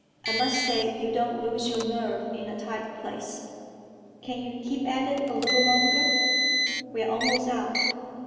I must say you don't lose your nerve in a tight place. Can you keep at it a little longer? We're almost out.